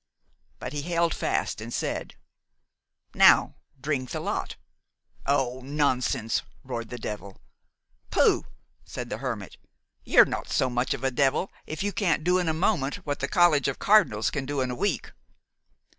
But he held fast, and said, 'Now, drink the lot.' 'Oh, nonsense!' roared the devil. 'Pooh!' said the hermit, 'you're not much of a devil if you can't do in a moment what the College of Cardinals can do in a week.'